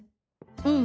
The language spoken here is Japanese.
うん。